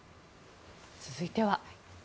続いては。